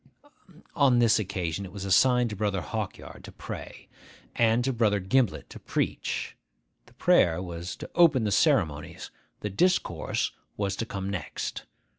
On this occasion it was assigned to Brother Hawkyard to pray, and to Brother Gimblet to preach. The prayer was to open the ceremonies; the discourse was to come next.